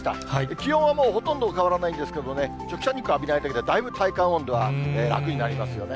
気温はもうほとんど変わらないんですけどね、直射日光浴びないだけで、だいぶ体感温度は楽になりますよね。